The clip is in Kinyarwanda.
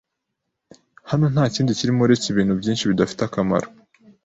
Hano ntakindi kirimo uretse ibintu byinshi bidafite akamaro.